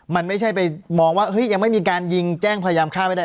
มันไม่ใช่ไปมองว่าเฮ้ยยังไม่มีการยิงแจ้งพยายามฆ่าไม่ได้